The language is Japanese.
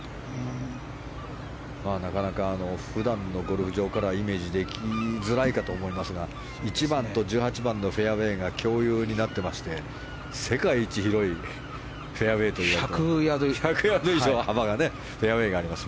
なかなか普段のゴルフ場からはイメージできづらいかと思いますが１番と１８番のフェアウェーが共有になってまして世界一広いフェアウェーといわれています。